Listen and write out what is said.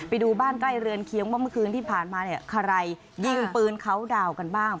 ไปดูบ้านใกล้เรือนเคียงว่าเมื่อคืนที่ผ่านมาเนี่ยใครยิงปืนเขาดาวกันบ้าง